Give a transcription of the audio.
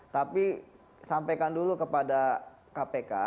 tapi sampaikan dulu kepada kpk